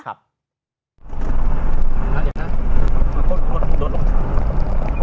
รถรถรถ